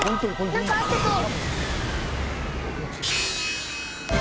何か合ってそう。